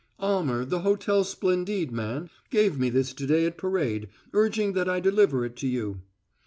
"Almer, the Hotel Splendide man, gave me this to day at parade, urging that I deliver it to you."